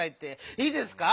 いいですか？